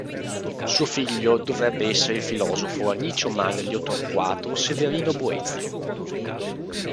Suo figlio dovrebbe essere il filosofo Anicio Manlio Torquato Severino Boezio.